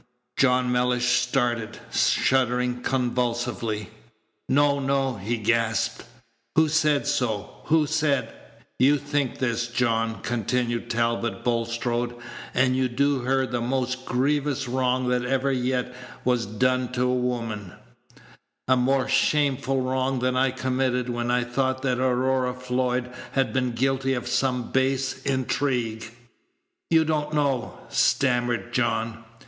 John Mellish started, shuddering convulsively. "No, no," he gasped; "who said so who said " "You think this, John," continued Talbot Bulstrode, "and you do her the most grievous wrong that ever yet was done to woman a more shameful wrong than I committed when I thought that Aurora Floyd had been guilty of some base intrigue." "You don't know " stammered John.